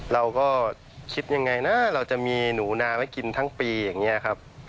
เราก็คิดยังไงนะเราจะมีหนูนาไว้กินทั้งปีอย่างนี้ครับ